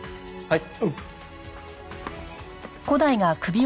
はい。